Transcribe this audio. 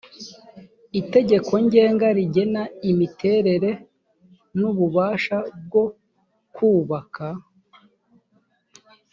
itegeko ngenga rigena imiterere nu ububasha bwo kubaka